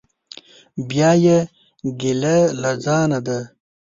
بیا یې ګیله له ځانه ده.